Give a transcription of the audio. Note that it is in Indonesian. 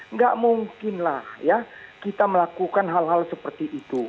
nggak mungkinlah ya kita melakukan hal hal seperti itu